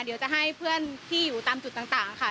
เดี๋ยวจะให้เพื่อนที่อยู่ตามจุดต่างค่ะ